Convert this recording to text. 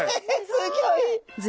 すギョい！